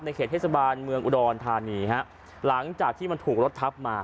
เขตเทศบาลเมืองอุดรธานีฮะหลังจากที่มันถูกรถทับมา